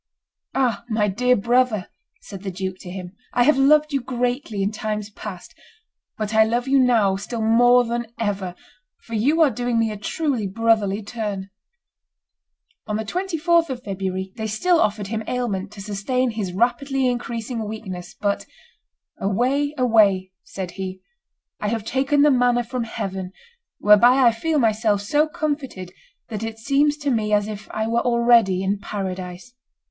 "Ah! my dear brother," said the duke to him, "I have loved you greatly in times past, but I love you now still more than ever, for you are doing me a truly brotherly turn." On the 24th of February they still offered him aliment to sustain his rapidly increasing weakness but "Away, away," said he; "I have taken the manna from heaven, whereby I feel myself so comforted that it seems to me as if I were already in paradise.